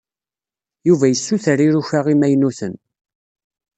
Yuba yessuter iruka imaynuten.